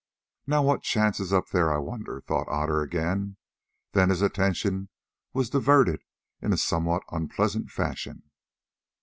"Now what chances up there, I wonder?" thought Otter again. Then his attention was diverted in a somewhat unpleasant fashion.